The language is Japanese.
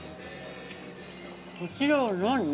そちらは何？